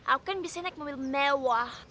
aku kan bisa naik mobil mewah